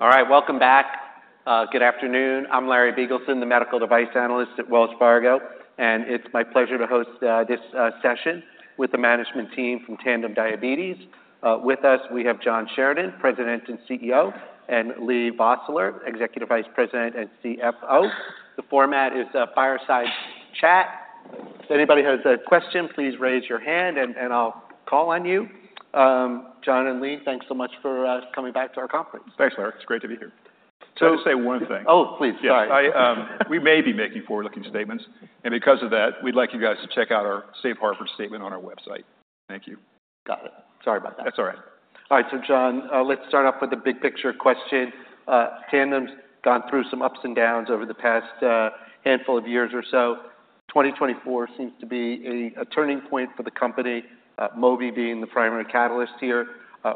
All right, welcome back. Good afternoon. I'm Larry Biegelsen, the Medical Device Analyst at Wells Fargo, and it's my pleasure to host this session with the management team from Tandem Diabetes. With us, we have John Sheridan, President and CEO, and Leigh Vosseller, Executive Vice President and CFO. The format is a fireside chat. If anybody has a question, please raise your hand and I'll call on you. John and Leigh, thanks so much for coming back to our conference. Thanks, Larry. It's great to be here. Can I just say one thing? Oh, please. Sorry. Yes. I, we may be making forward-looking statements, and because of that, we'd like you guys to check out our safe harbor statement on our website. Thank you. Got it. Sorry about that. That's all right. All right, so John, let's start off with the big picture question. Tandem's gone through some ups and downs over the past, handful of years or so. 2024 seems to be a turning point for the company, Mobi being the primary catalyst here.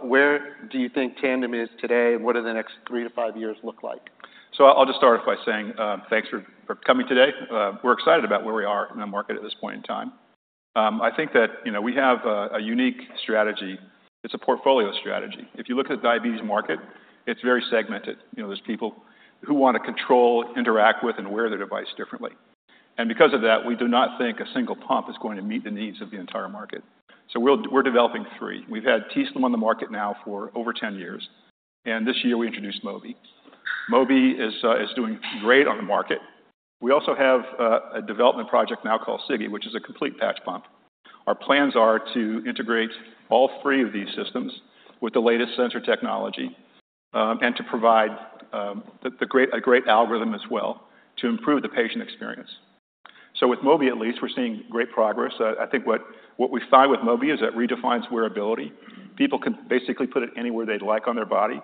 Where do you think Tandem is today? What do the next three to five years look like? I'll just start off by saying, thanks for coming today. We're excited about where we are in the market at this point in time. I think that, you know, we have a unique strategy. It's a portfolio strategy. If you look at the diabetes market, it's very segmented. You know, there's people who want to control, interact with, and wear their device differently, and because of that, we do not think a single pump is going to meet the needs of the entire market, so we're developing three. We've had t:slim on the market now for over 10 years, and this year, we introduced Mobi. Mobi is doing great on the market. We also have a development project now called Sigi, which is a complete patch pump. Our plans are to integrate all three of these systems with the latest sensor technology, and to provide a great algorithm as well to improve the patient experience. So with Mobi, at least, we're seeing great progress. I think what we find with Mobi is it redefines wearability. People can basically put it anywhere they'd like on their body.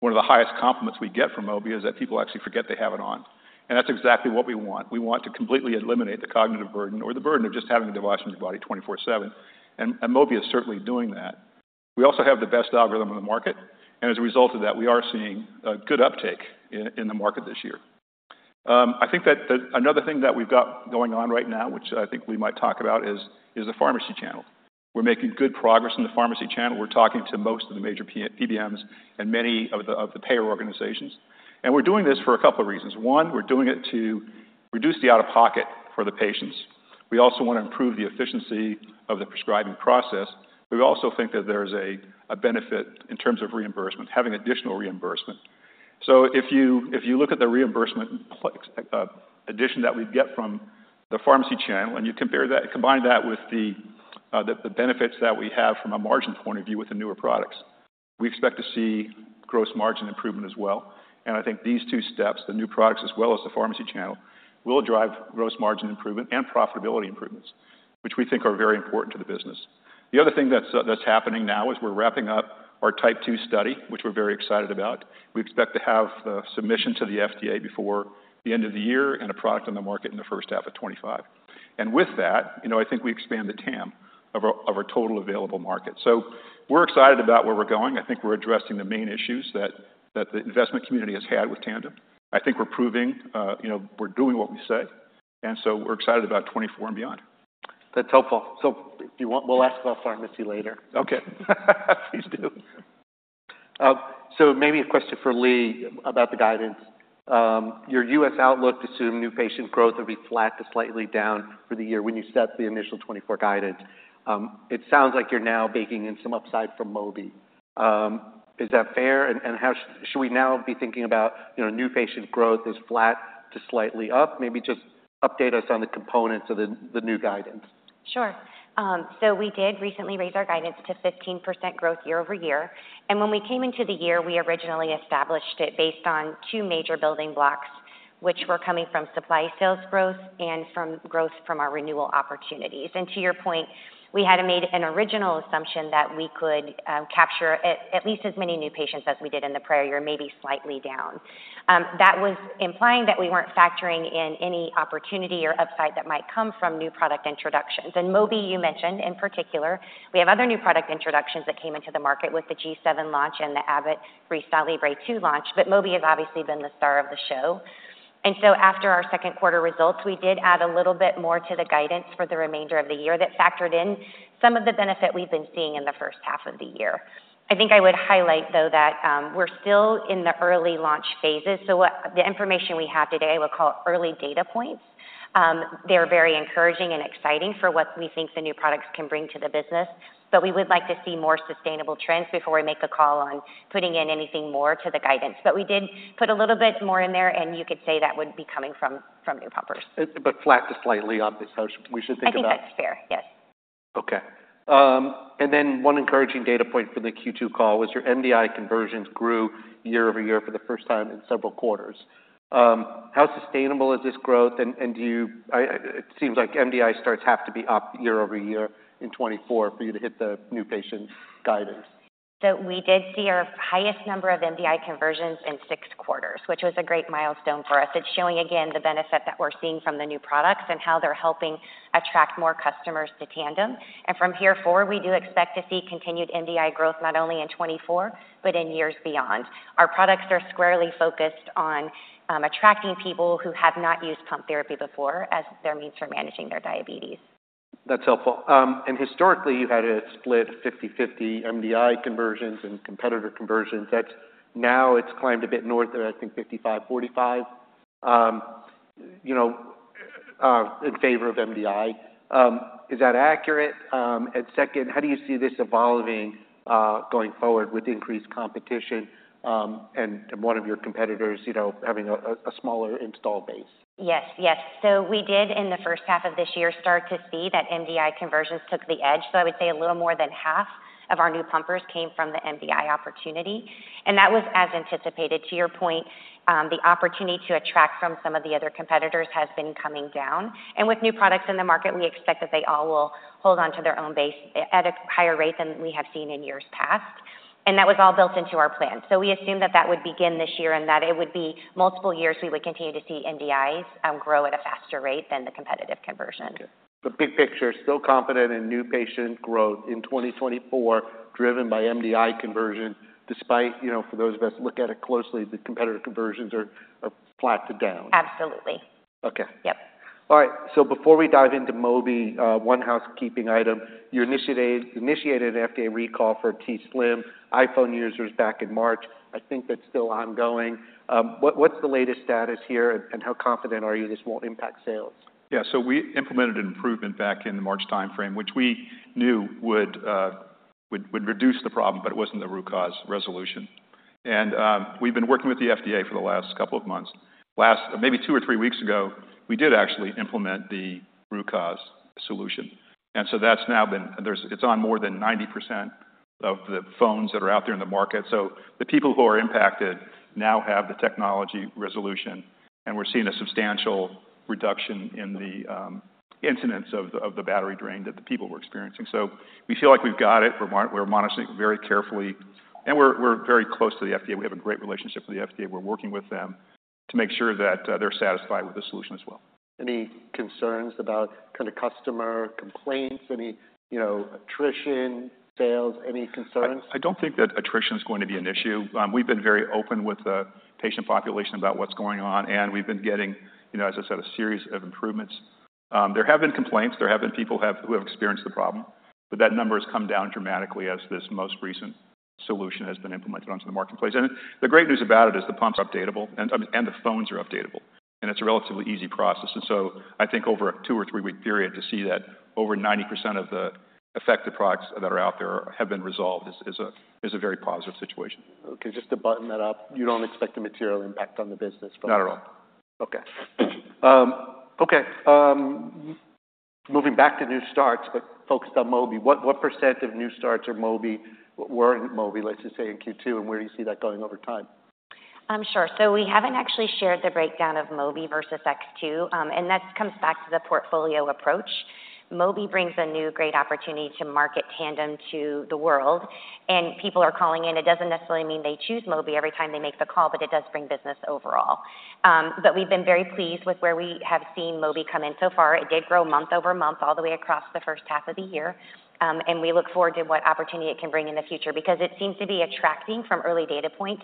One of the highest compliments we get from Mobi is that people actually forget they have it on, and that's exactly what we want. We want to completely eliminate the cognitive burden or the burden of just having a device on your body twenty-four seven, and Mobi is certainly doing that. We also have the best algorithm on the market, and as a result of that, we are seeing a good uptake in the market this year. I think that another thing that we've got going on right now, which I think we might talk about, is the pharmacy channel. We're making good progress in the pharmacy channel. We're talking to most of the major PBMs and many of the payer organizations, and we're doing this for a couple of reasons. One, we're doing it to reduce the out-of-pocket for the patients. We also want to improve the efficiency of the prescribing process. We also think that there's a benefit in terms of reimbursement, having additional reimbursement. So if you look at the reimbursement addition that we get from the pharmacy channel, and you compare that, combine that with the benefits that we have from a margin point of view with the newer products, we expect to see gross margin improvement as well. I think these two steps, the new products as well as the pharmacy channel, will drive gross margin improvement and profitability improvements, which we think are very important to the business. The other thing that's happening now is we're wrapping up our Type 2 study, which we're very excited about. We expect to have submission to the FDA before the end of the year and a product on the market in the first half of 2025. With that, you know, I think we expand the TAM of our total available market. We're excited about where we're going. I think we're addressing the main issues that the investment community has had with Tandem. I think we're proving, you know, we're doing what we say, and so we're excited about 2024 and beyond. That's helpful. So if you want, we'll ask about pharmacy later. Okay. Please do. Maybe a question for Leigh about the guidance. Your U.S. outlook assumed new patient growth would be flat to slightly down for the year when you set the initial 2024 guidance. It sounds like you're now baking in some upside from Mobi. Is that fair? And, how should we now be thinking about, you know, new patient growth as flat to slightly up? Maybe just update us on the components of the new guidance. Sure. So we did recently raise our guidance to 15% growth year-over-year, and when we came into the year, we originally established it based on two major building blocks, which were coming from supply sales growth and from growth from our renewal opportunities, and to your point, we had made an original assumption that we could capture at least as many new patients as we did in the prior year, maybe slightly down. That was implying that we weren't factoring in any opportunity or upside that might come from new product introductions, and Mobi, you mentioned in particular. We have other new product introductions that came into the market with the G7 launch and the Abbott FreeStyle Libre 2 launch, but Mobi has obviously been the star of the show. And so after our second quarter results, we did add a little bit more to the guidance for the remainder of the year that factored in some of the benefit we've been seeing in the first half of the year. I think I would highlight, though, that we're still in the early launch phases, so the information we have today, I would call early data points. They're very encouraging and exciting for what we think the new products can bring to the business, but we would like to see more sustainable trends before we make a call on putting in anything more to the guidance. But we did put a little bit more in there, and you could say that would be coming from new pumpers. But flat to slightly up is how we should think about. I think that's fair, yes. Okay. And then one encouraging data point for the Q2 call was your MDI conversions grew year-over-year for the first time in several quarters. How sustainable is this growth? And do you... It seems like MDI starts have to be up year-over-year in 2024 for you to hit the new patient guidance. So we did see our highest number of MDI conversions in six quarters, which was a great milestone for us. It's showing again the benefit that we're seeing from the new products and how they're helping attract more customers to Tandem. And from here forward, we do expect to see continued MDI growth, not only in 2024, but in years beyond. Our products are squarely focused on attracting people who have not used pump therapy before as their means for managing their diabetes.... That's helpful. And historically, you had a split 50/50 MDI conversions and competitor conversions. That's now it's climbed a bit north of, I think, 55, 45, you know, in favor of MDI. Is that accurate? And second, how do you see this evolving, going forward with increased competition, and one of your competitors, you know, having a smaller installed base? Yes, yes. So we did, in the first half of this year, start to see that MDI conversions took the edge. So I would say a little more than half of our new pumpers came from the MDI opportunity, and that was as anticipated. To your point, the opportunity to attract from some of the other competitors has been coming down, and with new products in the market, we expect that they all will hold on to their own base at a higher rate than we have seen in years past. And that was all built into our plan. So we assumed that that would begin this year and that it would be multiple years we would continue to see MDIs grow at a faster rate than the competitive conversion. Okay. The big picture, still confident in new patient growth in 2024, driven by MDI conversion, despite, you know, for those of us who look at it closely, the competitor conversions are flat to down. Absolutely. Okay. Yep. All right, so before we dive into Mobi, one housekeeping item. You initiated an FDA recall for t:slim iPhone users back in March. I think that's still ongoing. What's the latest status here, and how confident are you this won't impact sales? Yeah, so we implemented an improvement back in the March timeframe, which we knew would reduce the problem, but it wasn't the root cause resolution. And we've been working with the FDA for the last couple of months. Last maybe two or three weeks ago, we did actually implement the root cause solution, and so that's now been... it's on more than 90% of the phones that are out there in the market. So the people who are impacted now have the technology resolution, and we're seeing a substantial reduction in the incidence of the battery drain that the people were experiencing. So we feel like we've got it. We're monitoring it very carefully, and we're very close to the FDA. We have a great relationship with the FDA. We're working with them to make sure that they're satisfied with the solution as well. Any concerns about kind of customer complaints, any, you know, attrition, sales, any concerns? I don't think that attrition is going to be an issue. We've been very open with the patient population about what's going on, and we've been getting, you know, as I said, a series of improvements. There have been complaints. There have been people who have experienced the problem, but that number has come down dramatically as this most recent solution has been implemented onto the marketplace. And the great news about it is the pumps are updatable, and the phones are updatable, and it's a relatively easy process. And so I think over a two- or three-week period, to see that over 90% of the affected products that are out there have been resolved is a very positive situation. Okay, just to button that up, you don't expect a material impact on the business? Not at all. Okay. Okay, moving back to new starts, but focused on Mobi. What % of new starts are Mobi... were in Mobi, let's just say, in Q2, and where do you see that going over time? Sure. So we haven't actually shared the breakdown of Mobi versus X2, and that comes back to the portfolio approach. Mobi brings a new, great opportunity to market Tandem to the world, and people are calling in. It doesn't necessarily mean they choose Mobi every time they make the call, but it does bring business overall. But we've been very pleased with where we have seen Mobi come in so far. It did grow month over month, all the way across the first half of the year, and we look forward to what opportunity it can bring in the future. Because it seems to be attracting, from early data points,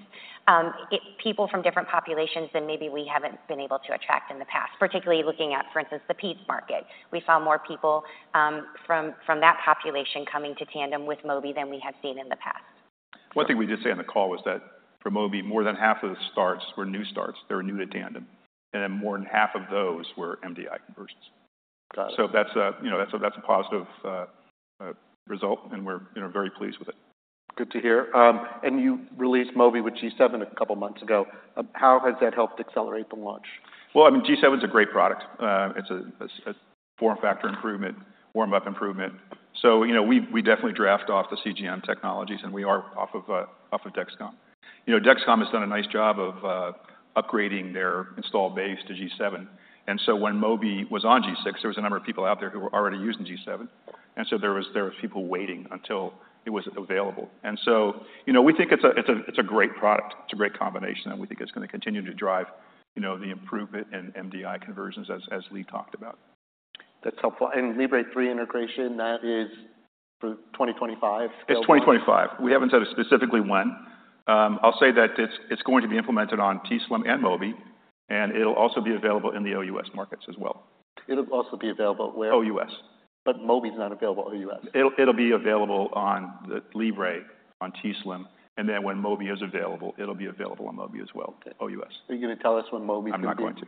people from different populations than maybe we haven't been able to attract in the past, particularly looking at, for instance, the peds market. We saw more people from that population coming to Tandem with Mobi than we have seen in the past. One thing we did say on the call was that for Mobi, more than half of the starts were new starts. They were new to Tandem, and then more than half of those were MDI conversions. Got it. So that's, you know, a positive result, and we're, you know, very pleased with it. Good to hear, and you released Mobi with G7 a couple months ago. How has that helped accelerate the launch? I mean, G7's a great product. It's a form factor improvement, warm-up improvement. So you know, we definitely draft off the CGM technologies, and we are off of Dexcom. You know, Dexcom has done a nice job of upgrading their install base to G7, and so when Mobi was on G6, there was a number of people out there who were already using G7, and so there were people waiting until it was available. And so, you know, we think it's a great product. It's a great combination, and we think it's gonna continue to drive, you know, the improvement in MDI conversions, as Leigh talked about. That's helpful. And Libre 3 integration, that is for 2025? It's 2025. We haven't said specifically when. I'll say that it's going to be implemented on t:slim and Mobi, and it'll also be available in the OUS markets as well. It'll also be available where? OUS. But Mobi is not available OUS. It'll be available on the Libre, on t:slim, and then when Mobi is available, it'll be available on Mobi as well, OUS. Are you gonna tell us when Mobi will be- I'm not going to.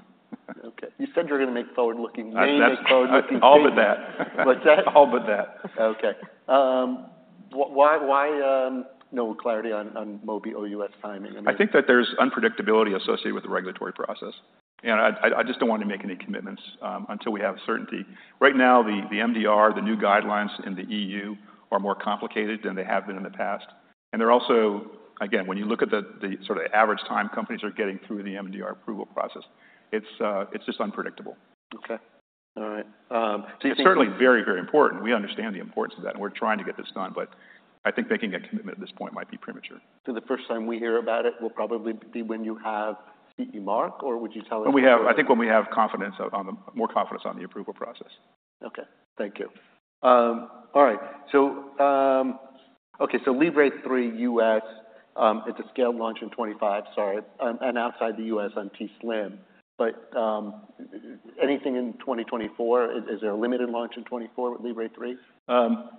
Okay. You said you were gonna make forward-looking- That's- Make forward-looking- All but that. But that? All but that. Okay. Why no clarity on Mobi OUS timing? And- I think that there's unpredictability associated with the regulatory process, and I just don't want to make any commitments until we have certainty. Right now, the MDR, the new guidelines in the EU are more complicated than they have been in the past, and they're also... Again, when you look at the sort of average time companies are getting through the MDR approval process, it's just unpredictable. Okay. All right. So you think- It's certainly very, very important. We understand the importance of that, and we're trying to get this done, but I think making a commitment at this point might be premature. So the first time we hear about it will probably be when you have CE Mark, or would you tell us- I think when we have more confidence on the approval process. Okay, thank you. All right. So, Okay, so Libre 3 U.S., it's a scaled launch in 2025. Sorry, and outside the U.S. on t:slim. But, anything in 2024? Is there a limited launch in 2024 with Libre 3? Um.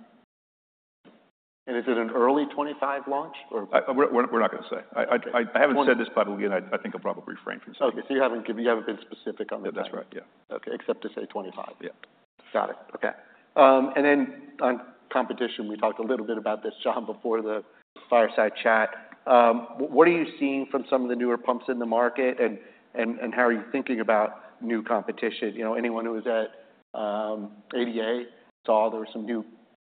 And is it an early 2025 launch or- We're not gonna say. I haven't said this publicly, and I think I'll probably refrain from saying. Okay, so you haven't been specific on the time. That's right. Yeah. Okay, except to say 25. Yeah. Got it. Okay. And then on competition, we talked a little bit about this, John, before the fireside chat. What are you seeing from some of the newer pumps in the market? And how are you thinking about new competition? You know, anyone who was at ADA saw there were some new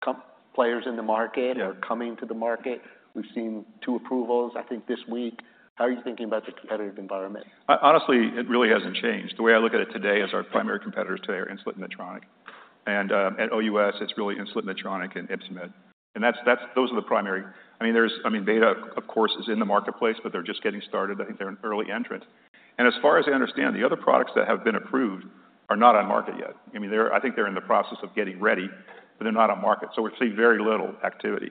comp players in the market- Yeah - or coming to the market. We've seen two approvals, I think, this week. How are you thinking about the competitive environment? Honestly, it really hasn't changed. The way I look at it today is our primary competitors today are Insulet, Medtronic. And at OUS, it's really Insulet, Medtronic and Ypsomed. And that's those are the primary. I mean, there's I mean, Beta, of course, is in the marketplace, but they're just getting started. I think they're an early entrant. And as far as I understand, the other products that have been approved are not on market yet. I mean, they're I think they're in the process of getting ready, but they're not on market, so we're seeing very little activity.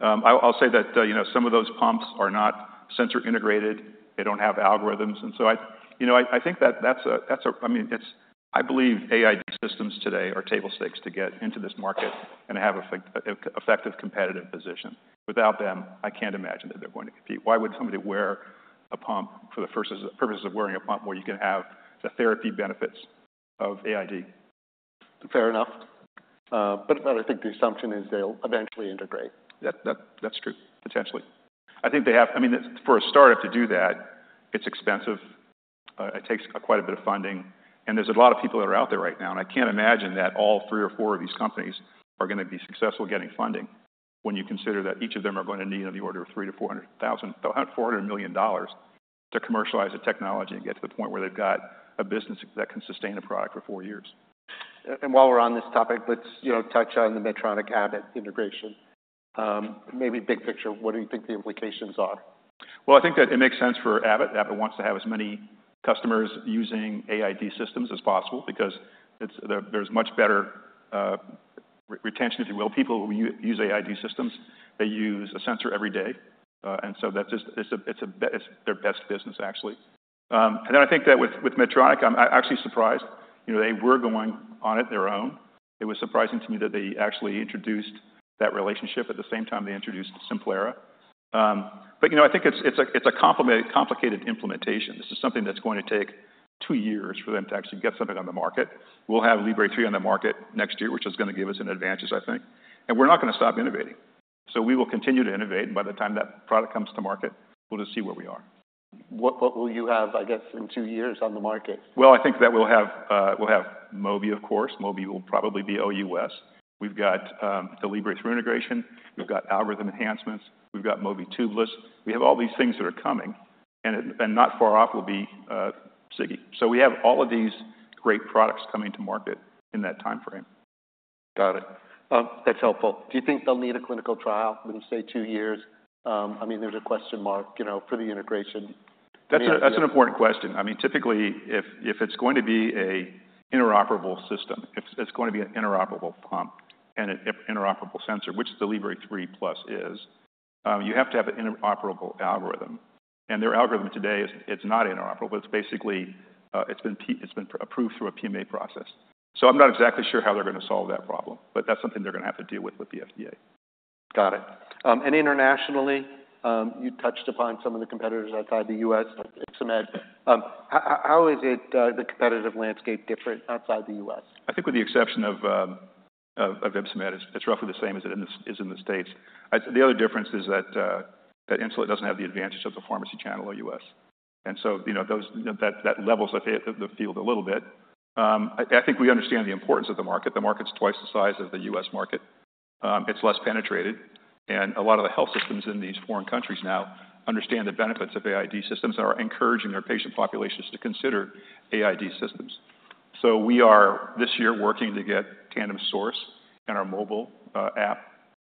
I'll say that, you know, some of those pumps are not sensor integrated. They don't have algorithms. And so I, you know, I think that that's a, that's a... I mean, it's I believe AID systems today are table stakes to get into this market and have effective competitive position. Without them, I can't imagine that they're going to compete. Why would somebody wear a pump for the first purposes of wearing a pump, where you can have the therapy benefits of AID? Fair enough. But I think the assumption is they'll eventually integrate. That's true. Potentially. I think they have... I mean, for a startup to do that, it's expensive. It takes quite a bit of funding, and there's a lot of people that are out there right now, and I can't imagine that all three or four of these companies are gonna be successful getting funding. When you consider that each of them are going to need on the order of $300 million-$400 million to commercialize the technology and get to the point where they've got a business that can sustain a product for four years. While we're on this topic, let's, you know, touch on the Medtronic Abbott integration. Maybe big picture, what do you think the implications are? I think that it makes sense for Abbott. Abbott wants to have as many customers using AID systems as possible because there's much better retention, if you will. People who use AID systems, they use a sensor every day, and so that's just, it's a, it's their best business, actually. And then I think that with Medtronic, I'm actually surprised. You know, they were going on their own. It was surprising to me that they actually introduced that relationship at the same time they introduced Simplera. But, you know, I think it's a complicated implementation. This is something that's going to take two years for them to actually get something on the market. We'll have Libre three on the market next year, which is gonna give us an advantage, I think. And we're not gonna stop innovating. So we will continue to innovate, and by the time that product comes to market, we'll just see where we are. What, what will you have, I guess, in two years on the market? I think that we'll have Mobi, of course. Mobi will probably be OUS. We've got the Libre 3 integration. We've got algorithm enhancements. We've got Mobi tubeless. We have all these things that are coming, and not far off will be Sigi. So we have all of these great products coming to market in that time frame. Got it. That's helpful. Do you think they'll need a clinical trial within, say, two years? I mean, there's a question mark, you know, for the integration. That's an important question. I mean, typically, if it's going to be an interoperable system, if it's going to be an interoperable pump and an interoperable sensor, which the Libre 3 Plus is, you have to have an interoperable algorithm, and their algorithm today, it's not interoperable. It's basically, it's been approved through a PMA process. So I'm not exactly sure how they're gonna solve that problem, but that's something they're gonna have to deal with the FDA. Got it. And internationally, you touched upon some of the competitors outside the U.S., like Ypsomed. How is the competitive landscape different outside the U.S.? I think with the exception of Ypsomed, it's roughly the same as it is in the States. I. The only difference is that Insulet doesn't have the advantage of the pharmacy channel, OUS. And so, you know, that levels the field a little bit. I think we understand the importance of the market. The market's twice the size of the U.S. market. It's less penetrated, and a lot of the health systems in these foreign countries now understand the benefits of AID systems and are encouraging their patient populations to consider AID systems. So we are, this year, working to get Tandem Source and our mobile app,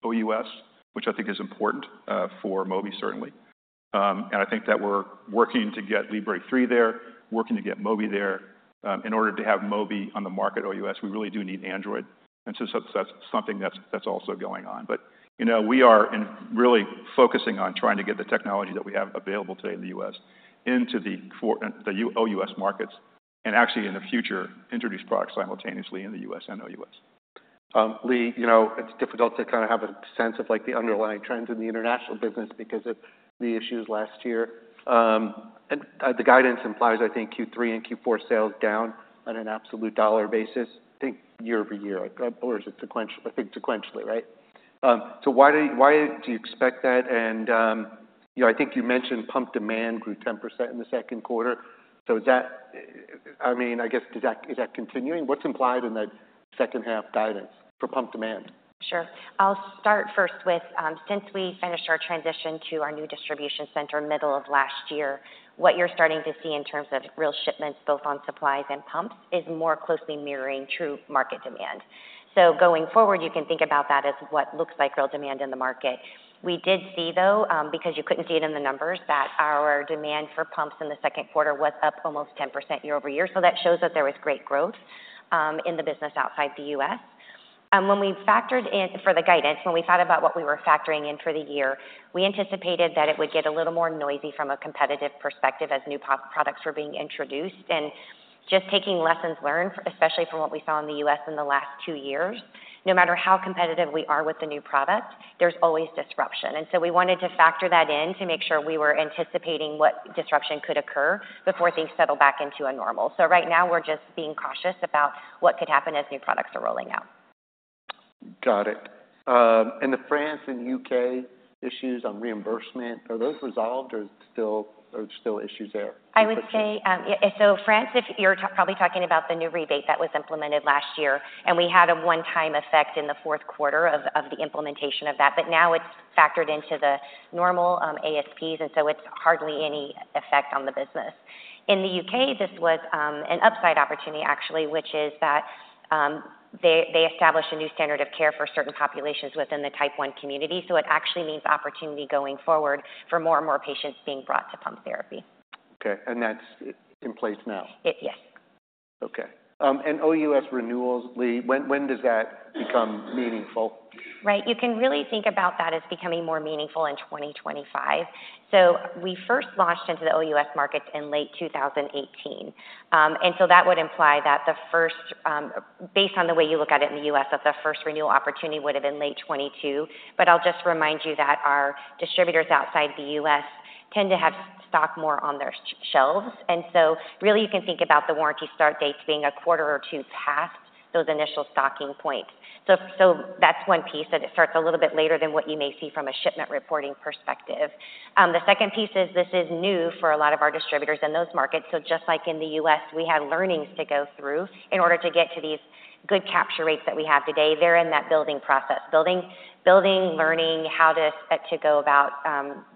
OUS, which I think is important for Mobi, certainly. And I think that we're working to get Libre 3 there, working to get Mobi there. In order to have Mobi on the market, OUS, we really do need Android, and so that's something that's also going on. But, you know, we are really focusing on trying to get the technology that we have available today in the U.S. into the four, the OUS markets and actually, in the future, introduce products simultaneously in the U.S. and OUS. Leigh, you know, it's difficult to kind of have a sense of, like, the underlying trends in the international business because of the issues last year. And the guidance implies, I think, Q3 and Q4 sales down on an absolute dollar basis, I think year-over-year, or is it sequentially? I think sequentially, right? So why do you expect that? And you know, I think you mentioned pump demand grew 10% in the second quarter. So is that... I mean, I guess, is that continuing? What's implied in that second half guidance for pump demand? Sure. I'll start first with, since we finished our transition to our new distribution center, middle of last year, what you're starting to see in terms of real shipments, both on supplies and pumps, is more closely mirroring true market demand. So going forward, you can think about that as what looks like real demand in the market. We did see, though, because you couldn't see it in the numbers, that our demand for pumps in the second quarter was up almost 10% year-over-year. So that shows that there was great growth in the business outside the U.S. When we factored in for the guidance, when we thought about what we were factoring in for the year, we anticipated that it would get a little more noisy from a competitive perspective as new products were being introduced. Just taking lessons learned, especially from what we saw in the U.S. in the last two years, no matter how competitive we are with the new product, there's always disruption. We wanted to factor that in to make sure we were anticipating what disruption could occur before things settle back into a normal. Right now, we're just being cautious about what could happen as new products are rolling out. Got it. And the France and U.K. issues on reimbursement, are those resolved, or are still issues there? I would say, yeah, so France, if you're probably talking about the new rebate that was implemented last year, and we had a one-time effect in the fourth quarter of the implementation of that. But now it's factored into the normal ASPs, and so it's hardly any effect on the business. In the U.K., this was an upside opportunity, actually, which is that they established a new standard of care for certain populations within the Type 1 community. So it actually means opportunity going forward for more and more patients being brought to pump therapy. Okay, and that's in place now? It... Yes. Okay, and OUS renewals, Leigh, when does that become meaningful? Right. You can really think about that as becoming more meaningful in 2025. So we first launched into the OUS markets in late 2018. And so that would imply that the first, based on the way you look at it in the U.S., that the first renewal opportunity would have been late 2022. But I'll just remind you that our distributors outside the U.S. tend to have stock more on their shelves, and so really, you can think about the warranty start dates being a quarter or two past those initial stocking points. So that's one piece, that it starts a little bit later than what you may see from a shipment reporting perspective. The second piece is this is new for a lot of our distributors in those markets. So just like in the U.S., we had learnings to go through in order to get to these good capture rates that we have today. They're in that building process, building, learning how to expect to go about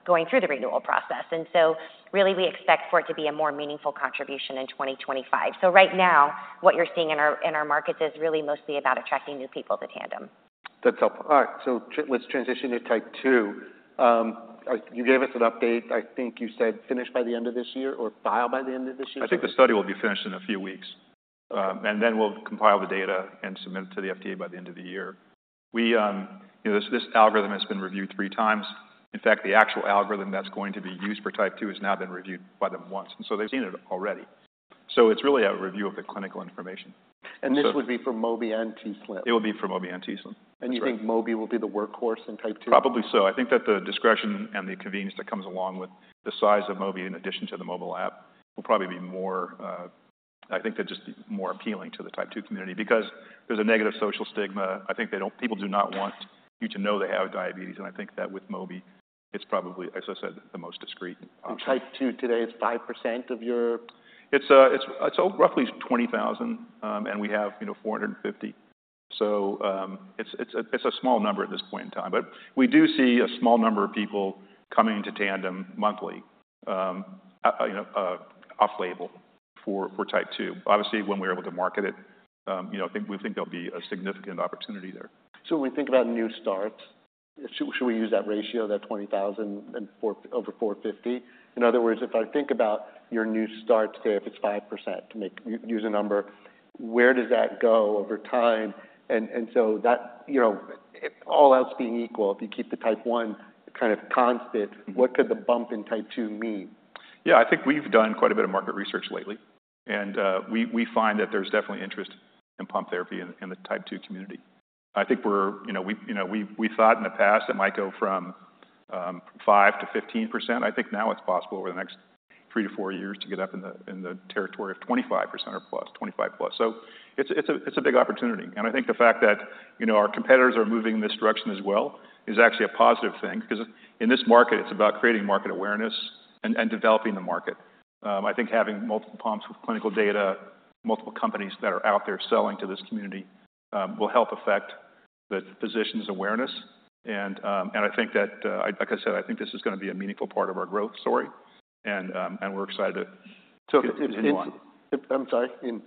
going through the renewal process. And so really, we expect for it to be a more meaningful contribution in twenty twenty-five. Right now, what you're seeing in our markets is really mostly about attracting new people to Tandem. That's helpful. All right, so let's transition to Type 2. You gave us an update. I think you said, "Finished by the end of this year or file by the end of this year? I think the study will be finished in a few weeks, and then we'll compile the data and submit it to the FDA by the end of the year. We, you know, this algorithm has been reviewed three times. In fact, the actual algorithm that's going to be used for Type 2 has now been reviewed by them once, and so they've seen it already. So it's really a review of the clinical information. This would be for Mobi and t:slim? It will be for Mobi and t:slim. You think Mobi will be the workhorse in Type 2? Probably so. I think that the discretion and the convenience that comes along with the size of Mobi, in addition to the mobile app, will probably be more. I think they're just more appealing to the Type 2 community. Because there's a negative social stigma, I think they don't, people do not want you to know they have diabetes, and I think that with Mobi, it's probably, as I said, the most discreet option. Type 2 today is 5% of your- It's roughly 20,000, and we have, you know, 450. So, it's a small number at this point in time. But we do see a small number of people coming into Tandem monthly, you know, off-label for Type 2. Obviously, when we're able to market it, you know, I think, we think there'll be a significant opportunity there. So when we think about new starts, should we use that ratio, that 20,004 over 450? In other words, if I think about your new starts today, if it's 5%, use a number, where does that go over time? And so that, you know, all else being equal, if you keep the Type 1 kind of constant- Mm-hmm. What could the bump in Type 2 mean? Yeah, I think we've done quite a bit of market research lately, and we find that there's definitely interest in pump therapy in the Type 2 community. I think we're, you know, we thought in the past it might go from 5%-15%. I think now it's possible over the next three to four years to get up in the territory of 25% or plus, 25 plus. So it's a big opportunity, and I think the fact that, you know, our competitors are moving in this direction as well is actually a positive thing. Because in this market, it's about creating market awareness and developing the market. I think having multiple pumps with clinical data, multiple companies that are out there selling to this community, will help affect the physicians' awareness, and I think that, like I said, I think this is gonna be a meaningful part of our growth story, and we're excited to continue on. I'm sorry, in-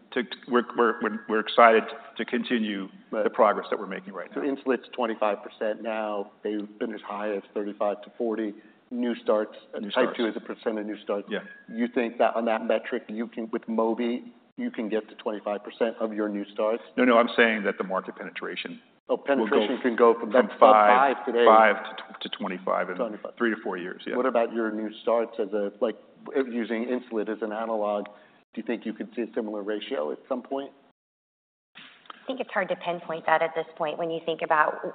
We're excited to continue- Right the progress that we're making right now. So Insulet's 25% now. They've been as high as 35%-40%. New starts- New starts. -Type 2 as a % of new starts. Yeah. You think that on that metric, you can, with Mobi, you can get to 25% of your new starts? No, no, I'm saying that the market penetration- Oh, penetration- -will go- Can go from that five today. From five to twenty-five in- Twenty-five three to four years. Yeah. What about your new starts, like, using Insulet as an analog? Do you think you could see a similar ratio at some point? I think it's hard to pinpoint that at this point when you think about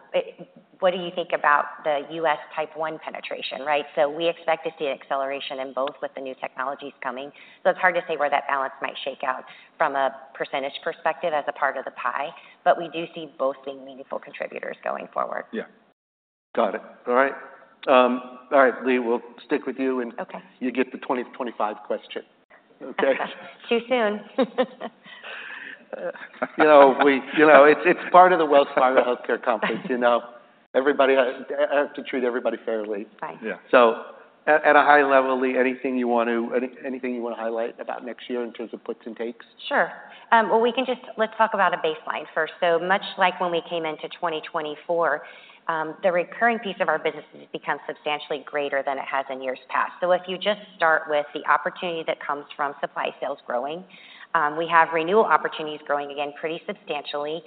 what do you think about the U.S. Type 1 penetration, right? So we expect to see an acceleration in both with the new technologies coming, so it's hard to say where that balance might shake out from a percentage perspective as a part of the pie, but we do see both being meaningful contributors going forward. Yeah. Got it. All right. All right, Leigh, we'll stick with you, and- Okay... you get the 2025 question, okay? Too soon. You know, it's part of the Wells Fargo Healthcare Conference, you know. Everybody, I have to treat everybody fairly. Right. Yeah. At a high level, Leigh, anything you want to highlight about next year in terms of puts and takes? Sure. Well, we can just. Let's talk about a baseline first. So much like when we came into 2024, the recurring piece of our business has become substantially greater than it has in years past. So if you just start with the opportunity that comes from supply sales growing, we have renewal opportunities growing again pretty substantially.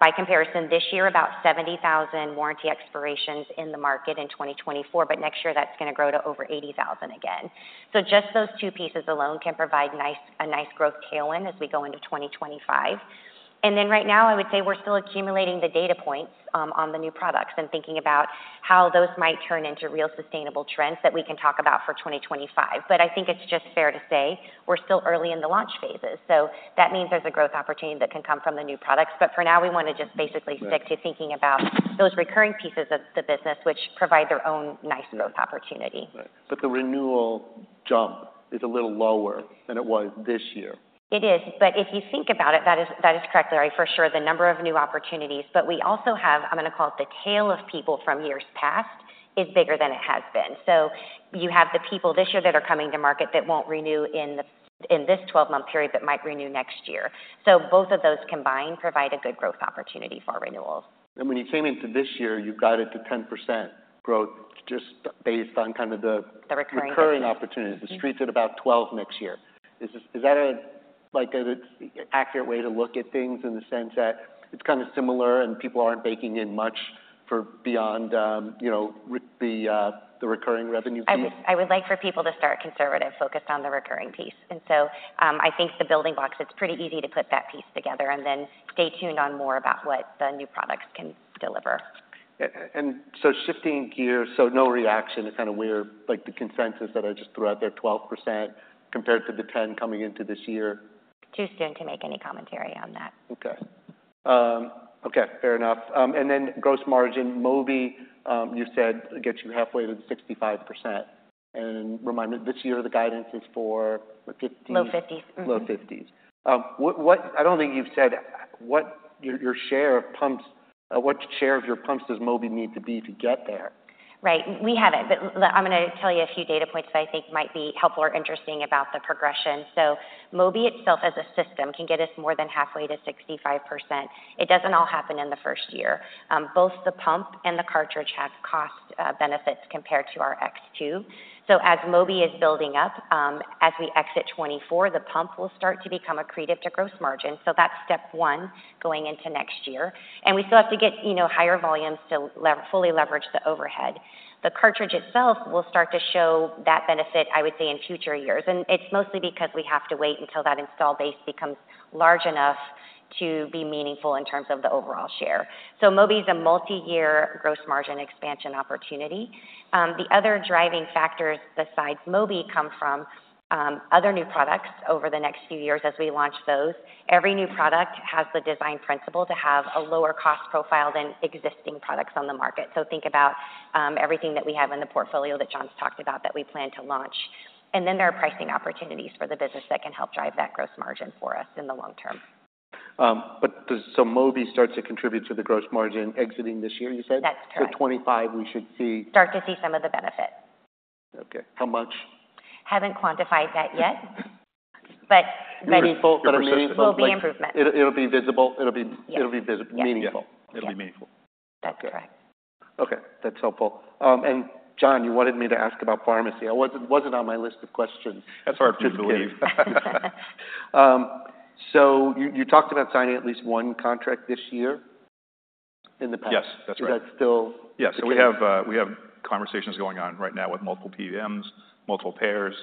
By comparison, this year, about 70,000 warranty expirations in the market in 2024, but next year, that's gonna grow to over 80,000 again. So just those two pieces alone can provide nice, a nice growth tailwind as we go into 2025. And then right now, I would say we're still accumulating the data points on the new products and thinking about how those might turn into real sustainable trends that we can talk about for 2025. But I think it's just fair to say we're still early in the launch phases, so that means there's a growth opportunity that can come from the new products. But for now, we want to just basically- Right. Stick to thinking about those recurring pieces of the business, which provide their own nice growth opportunity. Right, but the renewal jump is a little lower than it was this year. It is, but if you think about it, that is, that is correct, Larry, for sure, the number of new opportunities. But we also have, I'm gonna call it the tail of people from years past, is bigger than it has been. So you have the people this year that are coming to market that won't renew in this twelve-month period, but might renew next year. So both of those combined provide a good growth opportunity for renewals. When you came into this year, you guided to 10% growth just based on kind of the- The recurring piece. -recurring opportunities. The street's at about twelve next year. Is this, is that a, like, an accurate way to look at things in the sense that it's kind of similar and people aren't baking in much for beyond, you know, with the recurring revenue piece? I would like for people to start conservative, focused on the recurring piece. And so, I think the building blocks, it's pretty easy to put that piece together and then stay tuned on more about what the new products can deliver. Shifting gears, no reaction is kind of where, like, the consensus that I just threw out there, 12% compared to the 10% coming into this year? Too soon to make any commentary on that. Okay. Okay, fair enough. And then gross margin, Mobi, you said gets you halfway to 65%. And remind me, this year, the guidance is for fifty- Low fifties. Mm-hmm. Low fifties. I don't think you've said what your share of pumps. What share of your pumps does Mobi need to be to get there? Right. We haven't, but I'm gonna tell you a few data points that I think might be helpful or interesting about the progression. So Mobi itself, as a system, can get us more than halfway to 65%. It doesn't all happen in the first year. Both the pump and the cartridge have cost benefits compared to our X2. So as Mobi is building up, as we exit twenty twenty-four, the pump will start to become accretive to gross margin. So that's step one going into next year. And we still have to get, you know, higher volumes to fully leverage the overhead. The cartridge itself will start to show that benefit, I would say, in future years, and it's mostly because we have to wait until that installed base becomes large enough to be meaningful in terms of the overall share. So Mobi is a multiyear gross margin expansion opportunity. The other driving factors besides Mobi come from other new products over the next few years as we launch those. Every new product has the design principle to have a lower cost profile than existing products on the market. So think about everything that we have in the portfolio that John's talked about that we plan to launch. And then there are pricing opportunities for the business that can help drive that gross margin for us in the long term. But does so Mobi starts to contribute to the gross margin exiting this year, you said? That's correct. So 2025, we should see- Start to see some of the benefit. Okay. How much? Haven't quantified that yet, but- Meaningful, but a meaningful- Will be improvement. It'll be visible. It'll be- Yes. It'll be visible. Meaningful. It'll be meaningful. That's correct. Okay, that's helpful. And John, you wanted me to ask about pharmacy. It wasn't on my list of questions. That's hard to believe. So you talked about signing at least one contract this year in the past. Yes, that's right. Is that still- Yes. So we have conversations going on right now with multiple PBMs, multiple payers.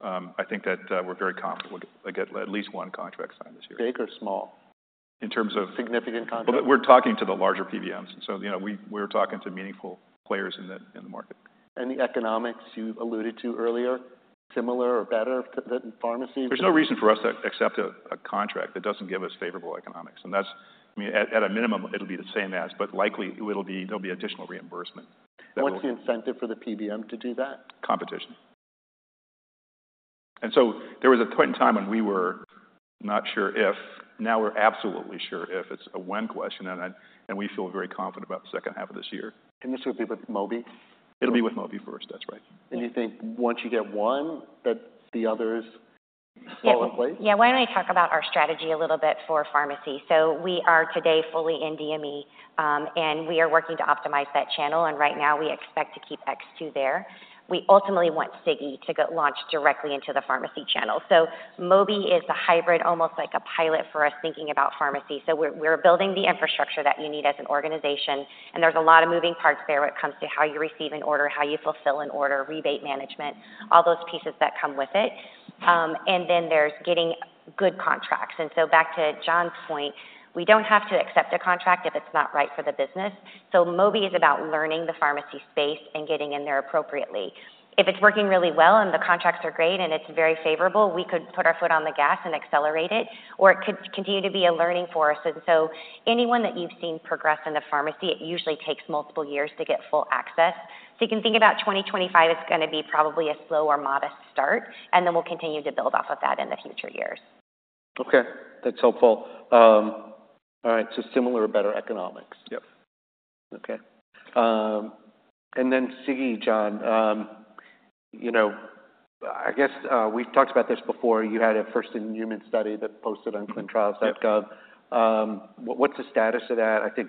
I think that, we're very confident we'll get at least one contract signed this year. Big or small? In terms of- Significant contract. We're talking to the larger PBMs, so you know, we're talking to meaningful players in the market. The economics you alluded to earlier, similar or better to the pharmacy? There's no reason for us to accept a contract that doesn't give us favorable economics, and that's... I mean, at a minimum, it'll be the same as, but likely, it'll be there'll be additional reimbursement. What's the incentive for the PBM to do that? Competition. And so there was a point in time when we were not sure if. Now we're absolutely sure. If it's a when question, and we feel very confident about the second half of this year. This will be with Mobi? It'll be with Mobi first. That's right. You think once you get one, that the others fall in place? Yeah. Why don't I talk about our strategy a little bit for pharmacy? So we are today fully in DME, and we are working to optimize that channel, and right now, we expect to keep X2 there. We ultimately want Sigi to go launch directly into the pharmacy channel. So Mobi is a hybrid, almost like a pilot for us, thinking about pharmacy. So we're building the infrastructure that you need as an organization, and there's a lot of moving parts there when it comes to how you receive an order, how you fulfill an order, rebate management, all those pieces that come with it. And then there's getting good contracts. And so back to John's point, we don't have to accept a contract if it's not right for the business. So Mobi is about learning the pharmacy space and getting in there appropriately. If it's working really well and the contracts are great and it's very favorable, we could put our foot on the gas and accelerate it, or it could continue to be a learning force, and so anyone that you've seen progress in the pharmacy, it usually takes multiple years to get full access, so you can think about 2025 is gonna be probably a slow or modest start, and then we'll continue to build off of that in the future years. Okay, that's helpful. All right, so similar or better economics? Yep. Okay. And then Sigi, John, you know, I guess, we've talked about this before. You had a first-in-human study that posted on clinicaltrials.gov. Yep. What, what's the status of that? I think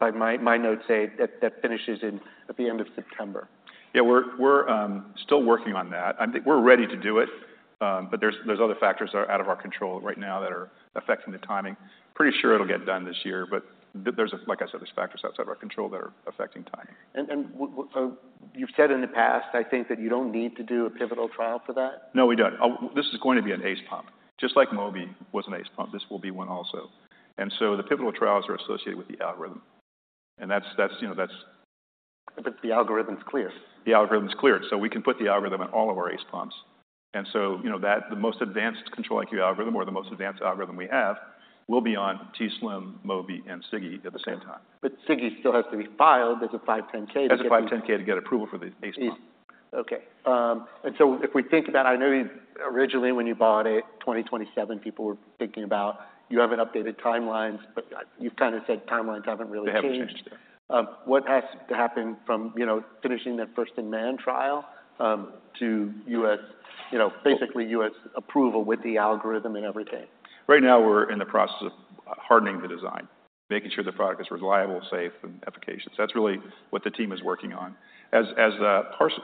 like my, my notes say that that finishes at the end of September. Yeah, we're still working on that. I think we're ready to do it, but there's other factors that are out of our control right now that are affecting the timing. Pretty sure it'll get done this year, but there's, like I said, factors outside of our control that are affecting timing. And so you've said in the past, I think, that you don't need to do a pivotal trial for that? No, we don't. This is going to be an ACE pump. Just like Mobi was an ACE pump, this will be one also. And so the pivotal trials are associated with the algorithm, and that's, you know, that's- But the algorithm's clear. The algorithm is clear, so we can put the algorithm in all of our ACE pumps, and so, you know, that the most advanced Control-IQ algorithm or the most advanced algorithm we have will be on t:slim, Mobi, and Sigi at the same time. But Sigi still has to be filed as a 510(k). As a 510(k) to get approval for the ACE pump. Okay. And so if we think about... I know originally when you bought it, 2027, people were thinking about you haven't updated timelines, but you've kind of said timelines haven't really changed. They haven't changed. What has to happen from, you know, finishing that first-in-man trial, to U.S., you know, basically U.S. approval with the algorithm and everything? Right now, we're in the process of hardening the design, making sure the product is reliable, safe, and efficacious. That's really what the team is working on. As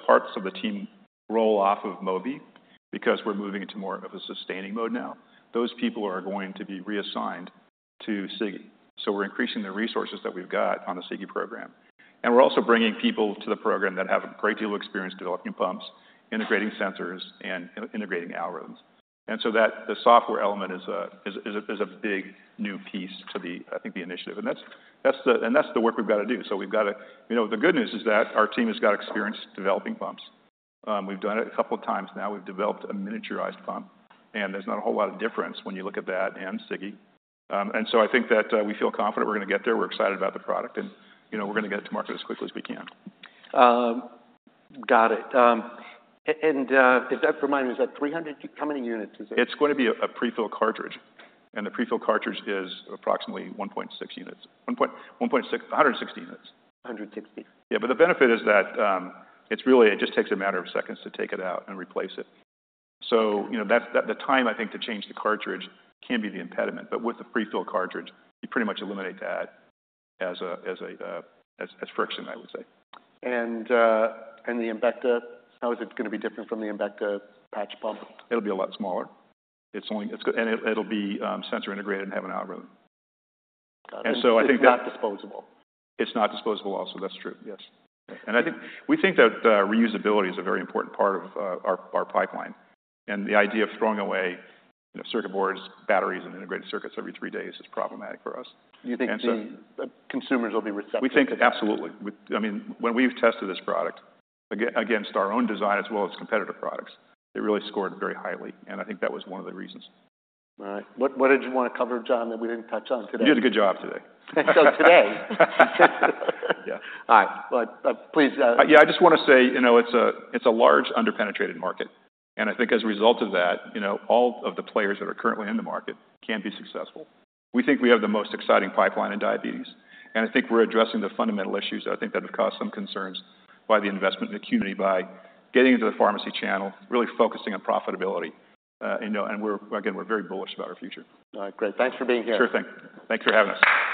parts of the team roll off of Mobi, because we're moving into more of a sustaining mode now, those people are going to be reassigned to Sigi. So we're increasing the resources that we've got on the Sigi program. And we're also bringing people to the program that have a great deal of experience developing pumps, integrating sensors, and integrating algorithms. And so that, the software element is a big new piece to the, I think, the initiative. And that's the work we've got to do. So we've got to. You know, the good news is that our team has got experience developing pumps. We've done it a couple of times now. We've developed a miniaturized pump, and there's not a whole lot of difference when you look at that and Sigi, and so I think that we feel confident we're gonna get there. We're excited about the product and, you know, we're gonna get it to market as quickly as we can. Got it. And just that reminder, is that 300? How many units is it? It's going to be a prefill cartridge, and the prefill cartridge is approximately 1.6 units, 160 units. 160. Yeah, but the benefit is that it's really it just takes a matter of seconds to take it out and replace it. So, you know, that the time I think to change the cartridge can be the impediment, but with the prefill cartridge, you pretty much eliminate that as a friction, I would say. The Embecta, how is it gonna be different from the Embecta patch pump? It'll be a lot smaller, and it'll be sensor-integrated and have an algorithm. Got it. I think that... It's not disposable. It's not disposable also. That's true, yes. Okay. I think we think that reusability is a very important part of our pipeline. The idea of throwing away, you know, circuit boards, batteries, and integrated circuits every three days is problematic for us. You think the consumers will be receptive? We think absolutely. I mean, when we've tested this product against our own design as well as competitor products, it really scored very highly, and I think that was one of the reasons. All right. What did you want to cover, John, that we didn't touch on today? You did a good job today. So today? Yeah. All right. But, please, Yeah, I just want to say, you know, it's a large underpenetrated market, and I think as a result of that, you know, all of the players that are currently in the market can be successful. We think we have the most exciting pipeline in diabetes, and I think we're addressing the fundamental issues. I think that have caused some concerns by the investment in connectivity, by getting into the pharmacy channel, really focusing on profitability. You know, and we're again very bullish about our future. All right, great. Thanks for being here. Sure thing. Thanks for having us.